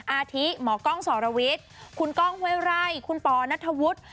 อาทิหมอกล้องสอรวิทคุณกล้องเฮวไรคุณปอร์นัทธวุฒิ